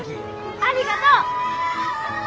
ありがとう！